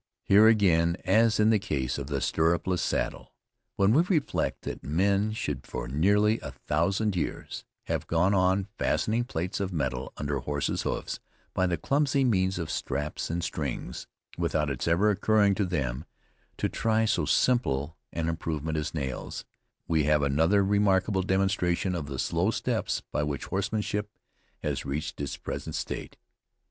Here again, as in the case of the sturrupless saddle, when we reflect that men should, for nearly a thousand years, have gone on fastening plates of metal under horses' hoofs by the clumsy means of straps and strings, without its ever occurring to them to try so simple an improvement as nails, we have another remarkable demonstration of the slow steps by which horsemanship has reached its present state.